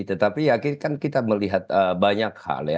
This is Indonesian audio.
tetapi akhirnya kan kita melihat banyak hal